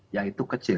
yang itu kecil